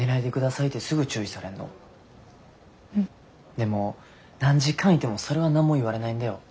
でも何時間いてもそれは何も言われないんだよ。